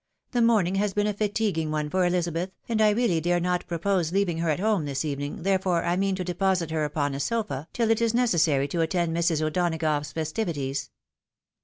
" The morning has been a fatiguing one for Elizabeth, and I really dare not propose leaving her at home this evening, there fore I mean to deposit her upon a sofa till it is neqessary to attend Mrs. O'Donagough's festivities."